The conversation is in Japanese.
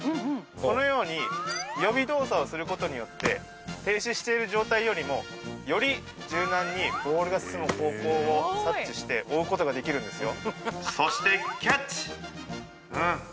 このように予備動作をすることによって停止している状態よりもより柔軟にボールが進む方向を察知して追うことができるんですよ